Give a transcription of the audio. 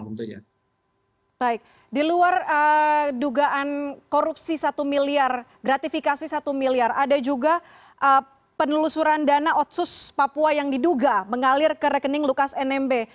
baik di luar dugaan korupsi satu miliar gratifikasi satu miliar ada juga penelusuran dana otsus papua yang diduga mengalir ke rekening lukas nmb